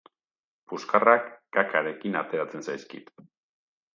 Puskarrak kakarekin ateratzen zaizkit.